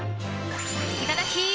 いただき！